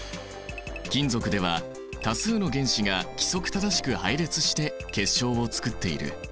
金属では多数の原子が規則正しく配列して結晶をつくっている。